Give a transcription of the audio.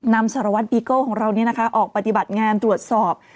นำสรวรรณบีเกิ้ลของเรานี้นะคะออกปฏิบัติงานตรวจสอบ